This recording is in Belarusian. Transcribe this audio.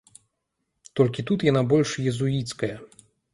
Толькі тут яна больш езуіцкая.